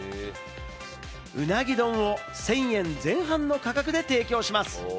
うなぎ丼を１０００円前半の価格で提供します。